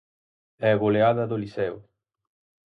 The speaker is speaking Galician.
E goleada do Liceo.